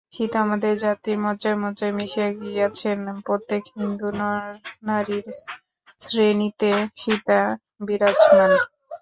সীতা আমাদের জাতির মজ্জায় মজ্জায় মিশিয়া গিয়াছেন, প্রত্যেক হিন্দু নরনারীর শোণিতে সীতা বিরাজমানা।